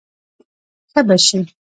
ښه به شې.